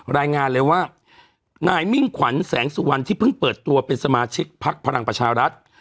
รายงานเลยว่านายมิ่งขวัญแสงสุวรรณที่เพิ่งเปิดตัวเป็นสมาชิกพักพลังประชารัฐ